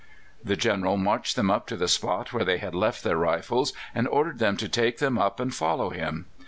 The General marched them up to the spot where they had left their rifles, and ordered them to take them up and follow him.